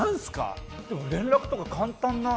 連絡とか簡単な。